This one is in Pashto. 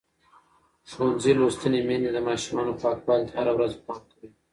ښوونځې لوستې میندې د ماشومانو پاکوالي ته هره ورځ پام کوي.